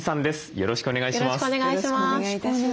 よろしくお願いします。